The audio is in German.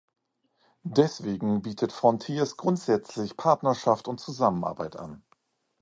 Deswegen bietet Frontiers grundsätzlich Partnerschaft und Zusammenarbeit an.